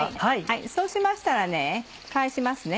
そうしましたら返しますね。